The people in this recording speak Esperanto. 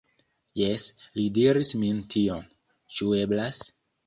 Jes, li diris min tion. Ĉu eblas?